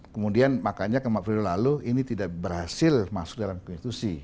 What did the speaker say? kemudian makanya kemarin lalu ini tidak berhasil masuk dalam konstitusi